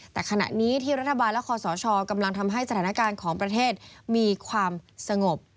แต่ขณะนี้ที่รัฐบาลและคอสชกำลังทำให้สถานการณ์ของประเทศมีความสงบ